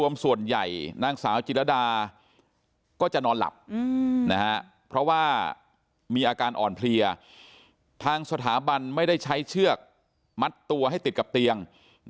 เพราะว่ามีอาการอ่อนเพลียทางสถาบันไม่ได้ใช้เชือกมัดตัวให้ติดกับเตียง